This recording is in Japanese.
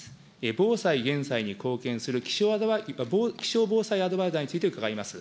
防災・減災に貢献する気象防災アドバイザーについて伺います。